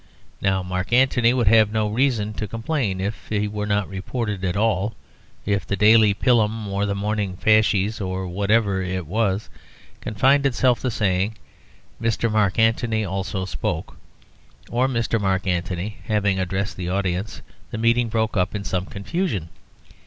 Now Mark Antony would have no reason to complain if he were not reported at all; if the Daily Pilum or the Morning Fasces, or whatever it was, confined itself to saying, "Mr. Mark Antony also spoke," or "Mr. Mark Antony, having addressed the audience, the meeting broke up in some confusion."